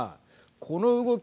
この動き